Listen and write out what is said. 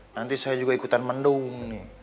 nanti saya juga ikutan mendung nih